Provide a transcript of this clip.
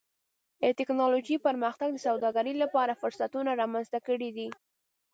د ټکنالوجۍ پرمختګ د سوداګرۍ لپاره فرصتونه رامنځته کړي دي.